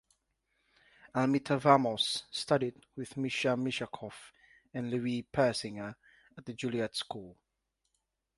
Almita Vamos studied with Mischa Mischakoff and Louis Persinger at the Juilliard School.